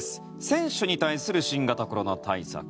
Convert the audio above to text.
選手に対する新型コロナ対策